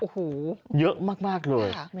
โอ้โหเยอะมากเลย